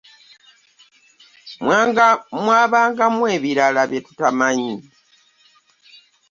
Mwabangamu ebirala bye tutamanyi.